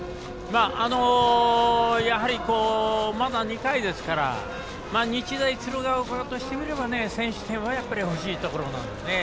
やはり、まだ２回ですから日大鶴ヶ丘としてみれば先取点は欲しいところなんですね。